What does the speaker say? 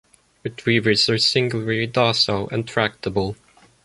Retrievers are singularly docile and tractable.